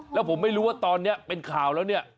แล้วผมไม่รู้ว่าตอนนี้เป็นข่าวแล้วเนี่ย